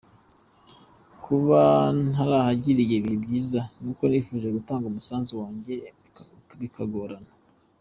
Kuba ntarahagiriye ibihe byiza ni uko nifuje gutanga umusanzu wanjye bikagorana.